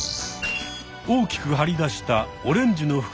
大きく張り出したオレンジの腹